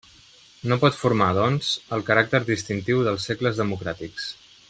No pot formar, doncs, el caràcter distintiu dels segles democràtics.